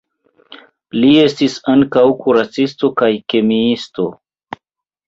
Li estis ankaŭ kuracisto kaj kemiisto.